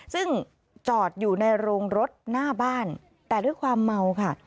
ซึ่งจอดอยู่ในโรงรถหน้าบ้านแต่ด้วยความเมาค่ะ